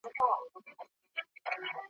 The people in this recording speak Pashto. په هرګل کي یې مخ وینم په هر نظم کي جانان دی ,